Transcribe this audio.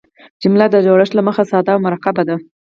جمله د جوړښت له مخه ساده او مرکبه ده.